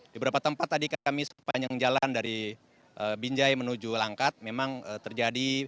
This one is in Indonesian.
di beberapa tempat tadi kami sepanjang jalan dari binjai menuju langkat memang terjadi